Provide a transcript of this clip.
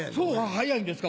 早いんですか？